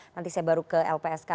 nanti saya baru ke lpsk